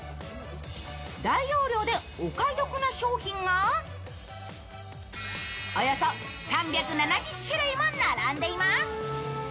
大容量でお買い得な商品がおよそ３７０種類も並んでいます。